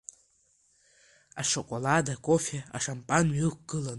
Ашоколад, акофе, ашампанҩы ықәгылан.